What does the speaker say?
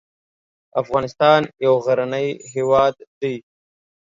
افغانستان یو غرنی هیواد دی